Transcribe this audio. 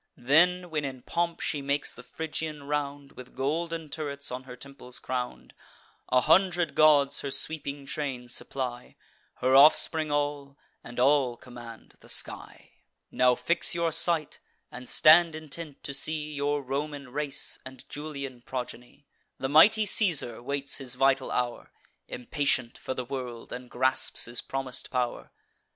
Then, when in pomp she makes the Phrygian round, With golden turrets on her temples crown'd; A hundred gods her sweeping train supply; Her offspring all, and all command the sky. "Now fix your sight, and stand intent, to see Your Roman race, and Julian progeny. The mighty Caesar waits his vital hour, Impatient for the world, and grasps his promis'd pow'r.